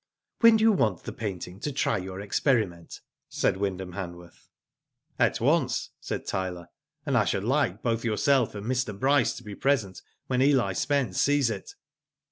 *'When do you want the painting to try your experiment?" said Wyndham Hanworth. " At once," said Tyler, and I should like both yourself and Mr. Bryce to be present when Eli Spence sees it."